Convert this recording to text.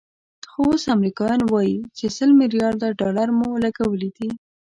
خو اوس امریکایان وایي چې سل ملیارده ډالر مو لګولي دي.